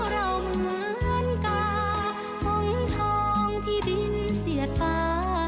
เราเหมือนกามงทองที่ดินเสียดฟ้า